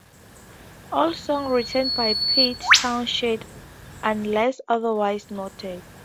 All songs written by Pete Townshend unless otherwise noted.